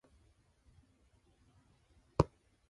He would later serve as treasurer and president.